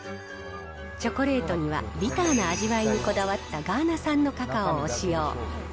チョコレートにはビターな味わいにこだわったガーナ産のカカオを使用。